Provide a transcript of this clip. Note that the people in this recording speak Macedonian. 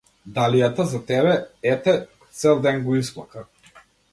Далијата за тебе, ете, цел ден го исплака.